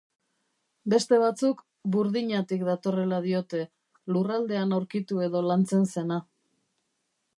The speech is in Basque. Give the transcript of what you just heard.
Beste batzuk burdinatik datorrela diote, lurraldean aurkitu edo lantzen zena.